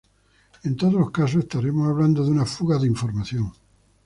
En todos los casos, estaremos hablando de una fuga de información.